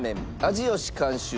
味よし監修